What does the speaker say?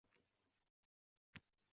— Ha-ya, men allaqachon kamolga erishganman